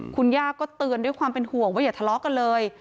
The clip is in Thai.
คุณย่าก็เตือนด้วยความเป็นห่วงว่าอย่าทะเลาะกันเลย